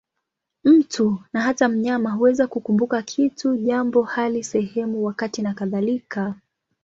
Mtu, na hata mnyama, huweza kukumbuka kitu, jambo, hali, sehemu, wakati nakadhalika.